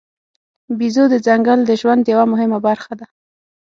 بیزو د ځنګل د ژوند یوه مهمه برخه ده.